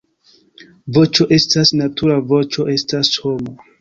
Voĉo estas natura, voĉo estas homa.